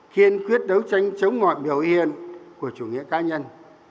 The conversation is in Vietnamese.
kiên quyết đấu tranh chống mọi biểu hiện của chủ nghĩa cá nhân